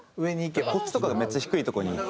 こっちとかがめっちゃ低いとこにいって。